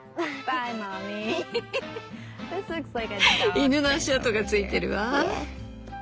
犬の足跡が付いてるわ。